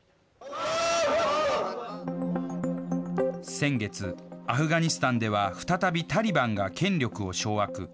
先月、アフガニスタンでは再びタリバンが権力を掌握。